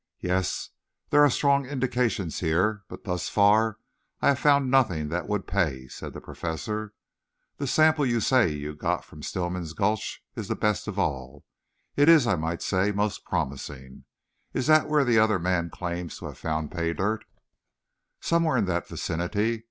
"Yes, there are strong indications here, but thus far I have found nothing that would pay," said the Professor. "The sample you say you got from Stillman Gulch is the best of all. It is, I might say, most promising. Is that where the other man claims to have found pay dirt?" "Somewhere in that vicinity.